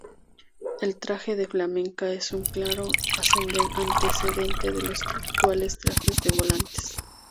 El traje de flamenca es un claro antecedente de los actuales trajes de volantes.